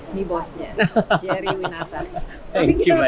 ini bosnya jerry winatar